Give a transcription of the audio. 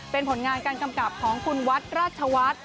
เป็นผลงานการกำกับของคุณวัดราชวัฒน์